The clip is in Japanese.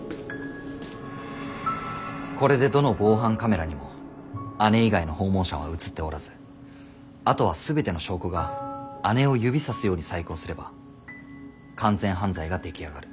これでどの防犯カメラにも姉以外の訪問者は写っておらずあとは全ての証拠が姉を指さすように細工をすれば完全犯罪が出来上がる。